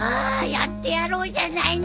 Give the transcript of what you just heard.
やってやろうじゃないの！